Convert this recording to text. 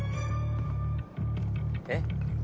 えっ？